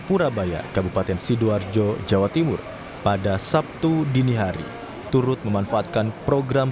purabaya kabupaten sidoarjo jawa timur pada sabtu dini hari turut memanfaatkan program